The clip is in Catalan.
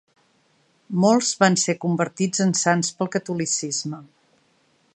Molts van ser convertits en sants pel catolicisme.